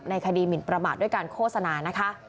คดีหมินประมาทด้วยการโฆษณานะคะ